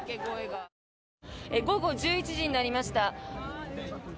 午後１１時になりました。